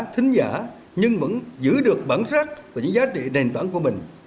thính giả nhưng vẫn giữ được bản sắc và những giá trị đền toán của mình